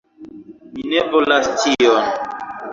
Mi ne volas tion